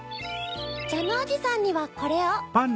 ジャムおじさんにはこれを。